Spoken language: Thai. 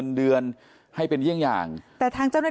แน่ก็ออกจากราชการ